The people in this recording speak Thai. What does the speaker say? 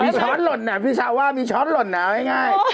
มีช้อนหล่นนะพี่เช้าว่ามีช้อนหล่นนะเอาง่าย